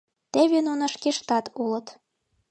— Теве нуно шкештат улыт.